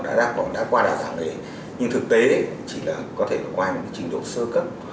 đề án đưa lao động đã qua đảo giảng đề nhưng thực tế chỉ là có thể qua trình độ sơ cấp